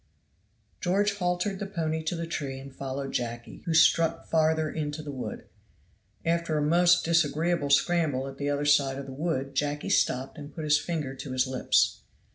George haltered the pony to the tree and followed Jacky, who struck farther into the wood. After a most disagreeable scramble at the other side of the wood Jacky stopped and put his finger to his lips.